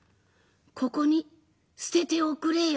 ここに捨てておくれよ」。